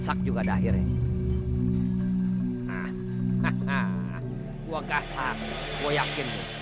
saya tak takut